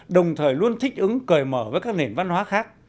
đồng thời luôn thích ứng cởi mở với các nền văn hóa khác